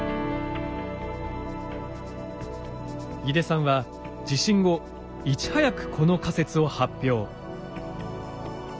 井出さんは地震後いち早くこの仮説を発表。